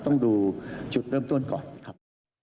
ต้องดูจุดเริ่มต้นก่อนครับ